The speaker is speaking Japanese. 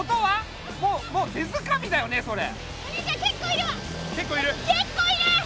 もうもう手づかみだよねそれ。